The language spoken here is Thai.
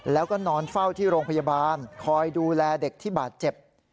แล้วก็นอนเฝ้าที่โรงพยาบาลคอยดูแลเด็กที่บาดเจ็บ